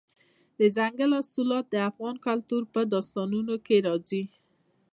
دځنګل حاصلات د افغان کلتور په داستانونو کې راځي.